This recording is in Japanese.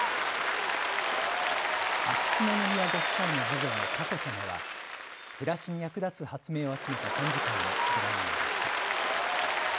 秋篠宮ご夫妻の次女の佳子さまは暮らしに役立つ発明を集めた展示会をご覧になりました。